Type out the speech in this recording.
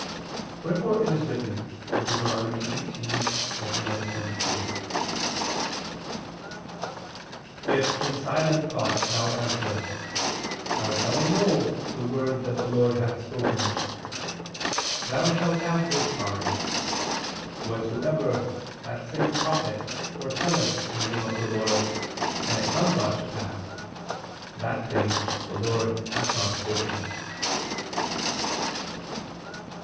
Wherefore it is written (Deut. 18:21, 22): "If in silent thought thou answer: How shall I know the word that the Lord hath spoken? Thou shalt have this sign: Whatsoever that same prophet foretelleth in the name of the Lord, and it come not to pass, that thing the Lord hath not spoken."